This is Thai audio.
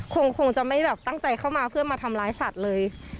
คงจะไม่แบบตั้งใจเข้ามาเพื่อมาทำร้ายสัตว์เลย